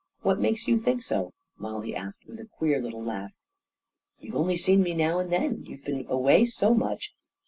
What makes you think so? " Mollie asked, with a queer little laugh. "You've only seen me now and then — you've been away so much ..